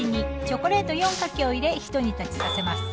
チョコレート４かけを入れひと煮立ちさせます